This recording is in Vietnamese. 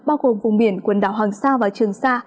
bao gồm vùng biển quần đảo hoàng sa và trường sa